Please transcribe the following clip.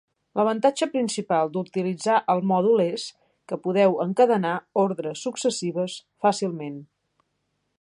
L'avantatge principal d'utilitzar el mòdul és que podeu encadenar ordres successives fàcilment.